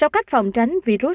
sáu cách phòng tránh virus rota